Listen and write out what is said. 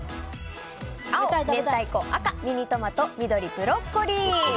青、明太子赤、ミニトマト緑、ブロッコリー。